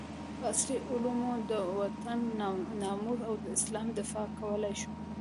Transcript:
په عصري علومو د وطن ناموس او د اسلام دفاع کولي شو